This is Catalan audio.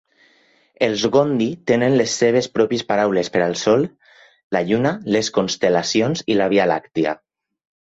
Els gondi tenen les seves pròpies paraules per al Sol, la Lluna, les constel·lacions i la Via Làctia.